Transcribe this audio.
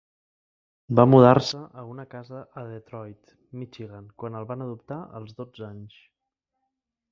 Va mudar-se a una casa a Detroit, Michigan, quan el van adoptar als dotze anys.